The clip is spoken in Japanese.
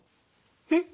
えっ？